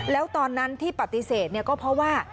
แล้วตอนนั้นที่ปฏิเสธก็เพราะว่า